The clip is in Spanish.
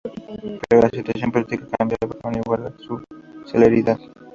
Pero la situación política cambiaba con igual celeridad.